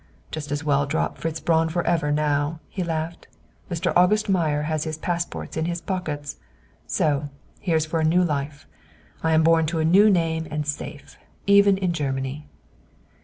"Just as well to drop 'Fritz Braun' forever now," he laughed. "'Mr. August Meyer' has his passports in his pockets! So, here's for a new life. I am born to a new name and safe, even in Germany."